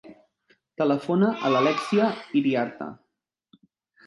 Telefona a l'Alèxia Iriarte.